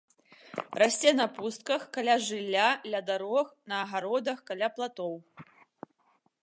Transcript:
Расце на пустках, каля жылля, ля дарог, на агародах, каля платоў.